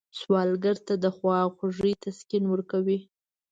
سوالګر ته خواخوږي تسکین ورکوي